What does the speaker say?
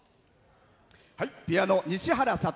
ピアノ、西原悟。